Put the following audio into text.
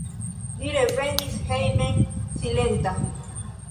Li revenis hejmen silenta.